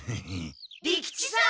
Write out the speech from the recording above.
利吉さん！